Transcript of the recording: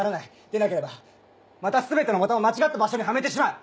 でなければまた全てのボタンを間違った場所にはめてしまう。